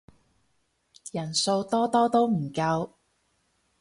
人數多多都唔夠